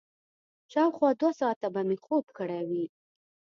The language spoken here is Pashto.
شاوخوا دوه ساعته به مې خوب کړی وي.